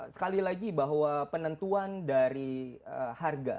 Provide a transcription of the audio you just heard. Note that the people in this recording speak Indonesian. sekali lagi bahwa penentuan dari harga